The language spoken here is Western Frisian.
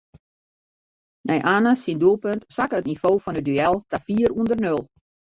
Nei Anne syn doelpunt sakke it nivo fan it duel ta fier ûnder nul.